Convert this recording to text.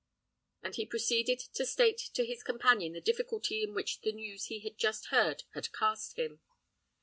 and he proceeded to state to his companion the difficulty into which the news he had just heard had cast him.